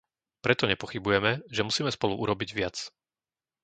Preto nepochybujeme, že musíme spolu urobiť viac.